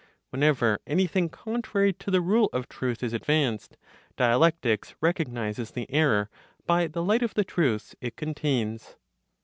Whenever anything contrary to the rule of truth is advanced, dialectics recognizes the error by the light of the truths it contains.